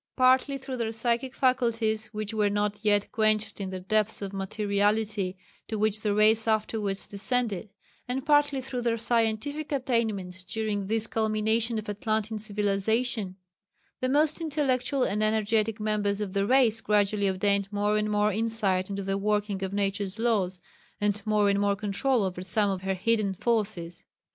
Partly through their psychic faculties, which were not yet quenched in the depths of materiality to which the race afterwards descended, and partly through their scientific attainments during this culmination of Atlantean civilization, the most intellectual and energetic members of the race gradually obtained more and more insight into the working of Nature's laws, and more and more control over some of her hidden forces.